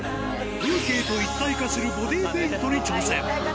風景と一体化するボディペイントに挑戦。